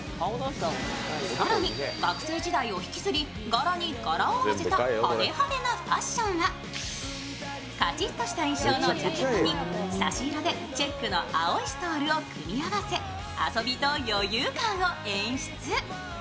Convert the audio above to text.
更に、学生時代を引きずり、柄に柄を合わせた派手派手なファッションはカチッとした印象のジャケットに差し色でチェックの青いストールを組み合わせ、遊びと余裕感を演出。